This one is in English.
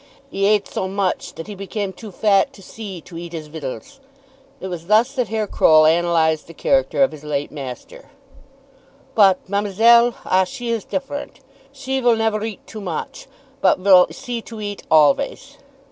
'E ate so much that he became too fat to see to eat his vittels." It was thus that Herr Croll analyzed the character of his late master. "But Ma'me'selle, ah, she is different. She vill never eat too moch, but vill see to eat alvays."